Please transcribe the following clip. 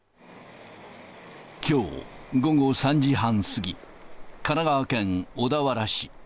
きょう午後３時半過ぎ、神奈川県小田原市。